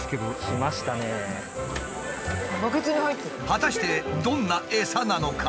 果たしてどんなエサなのか？